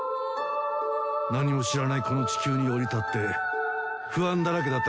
何も知らないこの地球に降り立って不安だらけだった